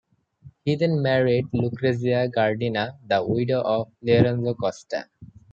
He then married Lucrezia Gardina, the widow of Lorenzo Costa.